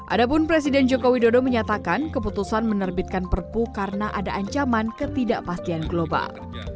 adapun presiden joko widodo menyatakan keputusan menerbitkan perpu karena ada ancaman ketidakpastian global